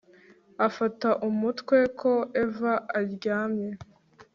Afata umutwe ko Eva aryamye